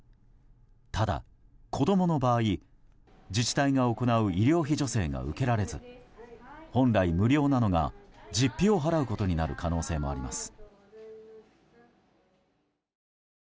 ただ、子供の場合、自治体が行う医療費助成が受けられず本来無料なのが実費を払うことになる可能性もあります。